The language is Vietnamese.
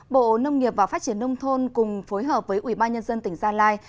bộ nông nghiệp và phát triển nông thôn cùng phối hợp với ubnd tỉnh gia lai